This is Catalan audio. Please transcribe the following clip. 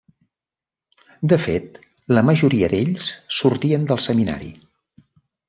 De fet, la majoria d'ells sortien del seminari.